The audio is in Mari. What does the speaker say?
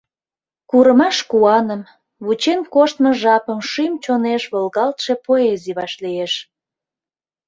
Курымаш куаным, вучен коштмо жапым Шӱм-чонеш волгалтше поэзий вашлиеш.